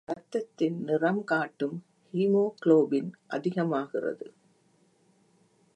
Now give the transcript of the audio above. இரத்தத்தின் நிறம் காட்டும் ஹீமோகுளோபின் அதிகமாகிறது.